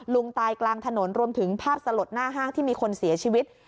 ลุงตายกลางถนนรวมถึงภาพสลดหน้าห้างที่มีคนเสียชีวิต